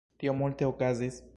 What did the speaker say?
Tio multe okazis